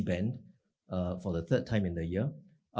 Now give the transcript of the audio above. ban kebijakan kebijakan kebijakan